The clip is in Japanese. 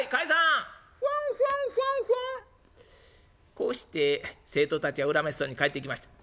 「こうして生徒たちは恨めしそうに帰っていきました。